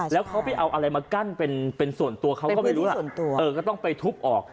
แล้วเขาไปเอาอะไรมากั้นเป็นส่วนตัวเขาก็ไม่รู้ส่วนตัวเออก็ต้องไปทุบออก